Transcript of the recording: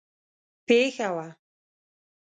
پېښه وه.